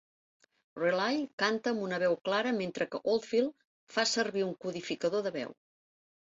Reilly canta amb una veu clara mentre que Oldfield fa servir un codificador de veu.